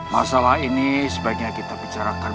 masalah ini sebaiknya kita bicarakan